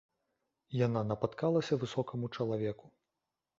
Яна напаткалася высокаму чалавеку.